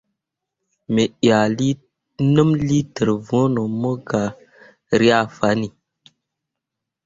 Me ʼyah nəm liiter voŋno mok ka ryah fanne.